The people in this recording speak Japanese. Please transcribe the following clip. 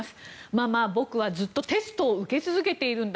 ママ、僕はずっとテストを受け続けているんだ。